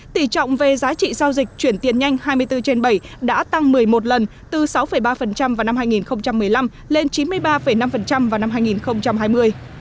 tỷ trọng về giá trị giao dịch chuyển tiền nhanh hai mươi bốn trên bảy đã tăng một mươi một lần từ sáu ba vào năm hai nghìn một mươi năm lên chín mươi ba năm vào năm hai nghìn hai mươi